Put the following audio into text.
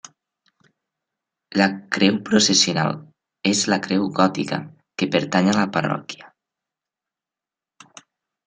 La creu processional és la creu gòtica que pertany a la parròquia.